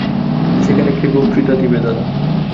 সেখানে কে বক্তৃতা দিবে দাদা?